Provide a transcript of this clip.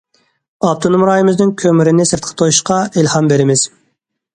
ئاپتونوم رايونىمىزنىڭ كۆمۈرىنى سىرتقا توشۇشقا ئىلھام بېرىمىز.